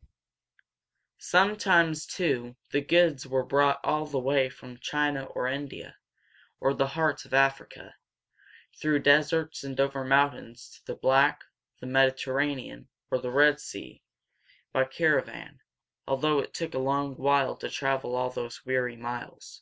[Illustration: A Caravan.] Sometimes, too, the goods were brought all the way from China or India, or the heart of Africa, through deserts and over mountains to the Black, the Mediterranean, or the Red Sea, by caravan, although it took a long while to travel all those weary miles.